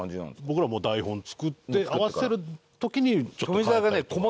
僕らも台本作って合わせる時にちょっと変えたりとか。